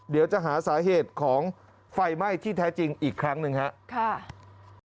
เดี๋ยวจะหาสาเหตุของไฟไหม้ที่แท้จริงอีกครั้งหนึ่งครับ